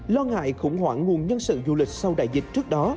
lo ngại khủng hoảng nguồn nhân sự du lịch sau đại dịch trước đó